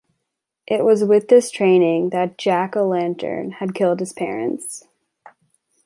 It was with this training that Jack O'Lantern had killed his parents.